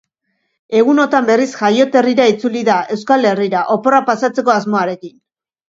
Egunotan, berriz, jaioterrira itzuli da euskal herrira, oporrak pasatzeko asmoarekin.